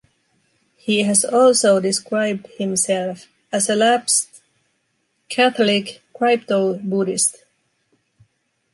He has also described himself as a lapsed Catholic crypto-Buddhist.